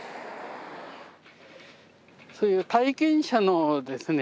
そういう体験者のですね